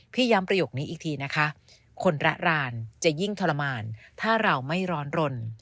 ย้ำประโยคนี้อีกทีนะคะคนระรานจะยิ่งทรมานถ้าเราไม่ร้อนรน